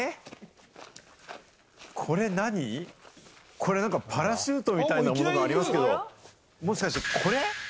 これパラシュートみたいなものがあるけれども、もしかして、これ？